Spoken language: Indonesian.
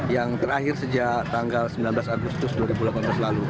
yang terakhir sejak tanggal sembilan belas agustus dua ribu dua puluh